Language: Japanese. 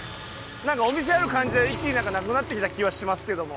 なんかお店ある感じは一気になくなってきた気はしますけども。